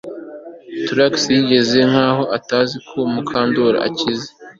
Trix yigize nkaho atazi ko Mukandoli akize